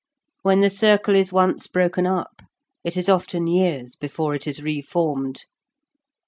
When the circle is once broken up it is often years before it is reformed.